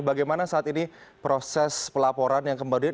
bagaimana saat ini proses pelaporan yang kemudian